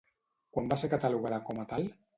Quan va ser catalogada com a tal?